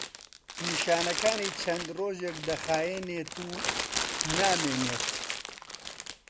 نیشانەکانی چەند ڕۆژێک دەخایەنێت و نامێنێت.